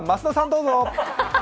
どうぞ。